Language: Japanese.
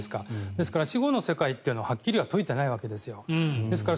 だから死後の世界っていうのははっきりは説いてないわけですから。